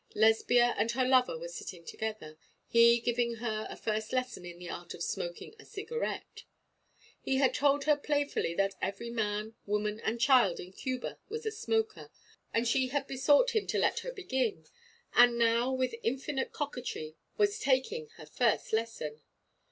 Lesbia and her lover were sitting together, he giving her a first lesson in the art of smoking a cigarette. He had told her playfully that every man, woman, and child in Cuba was a smoker, and she had besought him to let her begin, and now, with infinite coquetry, was taking her first lesson.